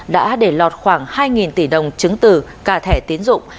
đã để lọt khoảng hai tỷ đồng chứng từ cả thẻ tiến dụng